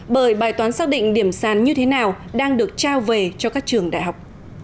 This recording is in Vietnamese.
bởi bài toán xác định điểm sàn như thế nào đang được trao về cho các trường đại học